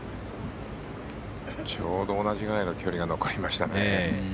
ちょうど同じくらいの距離が残りましたね。